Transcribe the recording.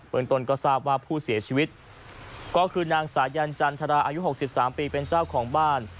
เมืองต้นก็ทราบว่าผู้เสียชีวิตก็คือนางสายันจันทราอายุ๖๓ปีเป็นเจ้าของบ้าน